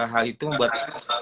hal itu membuat